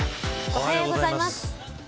おはようございます。